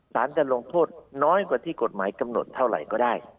จะลงโทษน้อยกว่าที่กฎหมายกำหนดเท่าไหร่ก็ได้